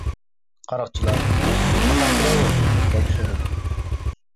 قاراقچىلار: «نېمە خاتىرە ئۇ؟ » دەپ سورىدى.